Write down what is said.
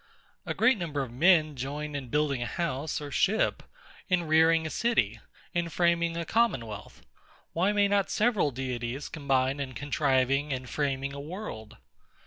A great number of men join in building a house or ship, in rearing a city, in framing a commonwealth; why may not several deities combine in contriving and framing a world?